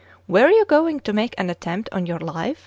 "Were you going to make an attempt on your life?"